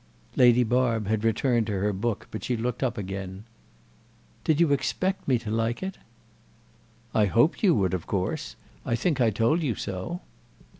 Lady Barb had returned to her book, but she looked up again. "Did you expect me to like it?" "I hoped you would, of course. I think I told you so."